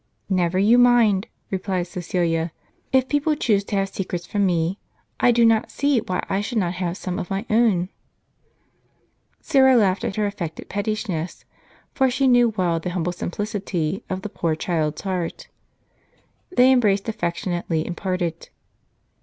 " Never you mind," replied Caecilia, " if people choose to have secrets from me, I do not see why I should not have some of my own." Syra laughed at her affected pettishness, for she knew well the humble simplicity of the ]30or child's heart. They em braced affectionately and parted.